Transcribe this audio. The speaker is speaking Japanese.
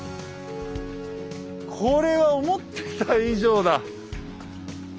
これは思ってた以上だ。